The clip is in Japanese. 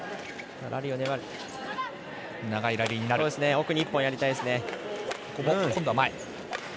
奥に１本やりたいです。